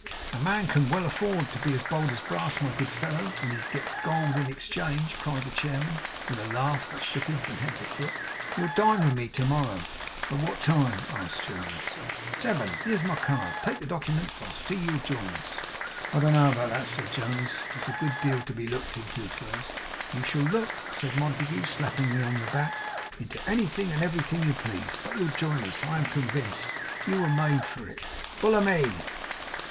'A man can well afford to be as bold as brass, my good fellow, when he gets gold in exchange!' cried the chairman, with a laugh that shook him from head to foot. 'You'll dine with me to morrow?' 'At what time?' asked Jonas. 'Seven. Here's my card. Take the documents. I see you'll join us!' 'I don't know about that,' said Jonas. 'There's a good deal to be looked into first.' 'You shall look,' said Montague, slapping him on the back, 'into anything and everything you please. But you'll join us, I am convinced. You were made for it. Bullamy!